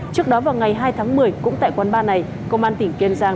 trước đó vào ngày hai tháng một mươi cũng tại quán ba này công an tỉnh kiên giang